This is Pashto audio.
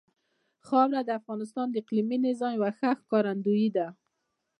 خاوره د افغانستان د اقلیمي نظام یوه ښه ښکارندوی ده.